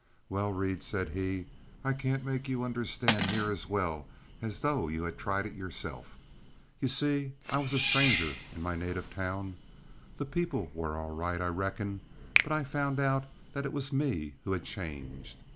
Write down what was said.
"Well, Reed," said he, "I can't make you understand near as well as though you had tried it yourself. You see I was a stranger in my native town. The people were all right, I reckon, but I found out that it was me who had changed.